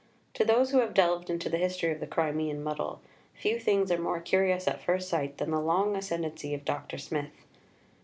To those who have delved into the history of the Crimean muddle, few things are more curious at first sight than the long ascendancy of Dr. Smith.